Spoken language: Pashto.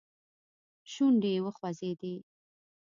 شونډي يې وخوځېدې.